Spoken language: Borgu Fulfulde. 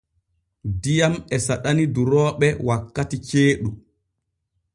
Diyam e saɗani durooɓe wakkati ceeɗu.